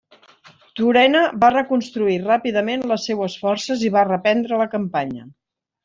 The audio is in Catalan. Turena va reconstruir ràpidament les seues forces i va reprendre la campanya.